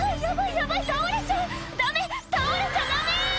ヤバい倒れちゃうダメ倒れちゃダメ！